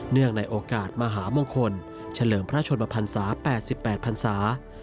ในโอกาสมหามงคลเฉลิมพระชนมพันศา๘๘พันศา